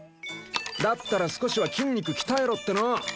だったら少しは筋肉鍛えろっての。